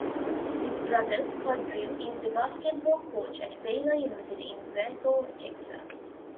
His brother, Scott Drew, is the basketball coach at Baylor University in Waco, Texas.